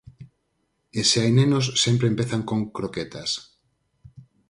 E se hai nenos sempre empezan con croquetas.